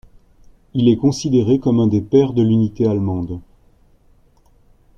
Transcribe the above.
Il est considéré comme un des pères de l'Unité allemande.